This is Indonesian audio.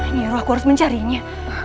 nyiiroh aku harus mencarinya